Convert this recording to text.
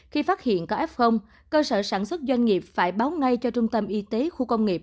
khi phát hiện có f cơ sở sản xuất doanh nghiệp phải báo ngay cho trung tâm y tế khu công nghiệp